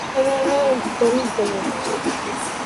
The body of the fly is cylindrical in shape and robust indeed.